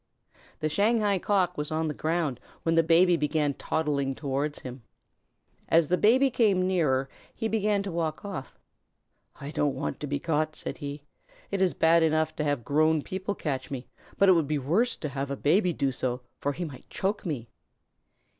The Shanghai Cock was on the ground when the Baby began toddling toward him. As the Baby came nearer he began to walk off. "I don't want to be caught," said he. "It is bad enough to have grown people catch me, but it would be worse to have a Baby do so, for he might choke me."